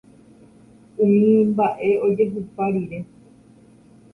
Umi mba'e ojehupa rire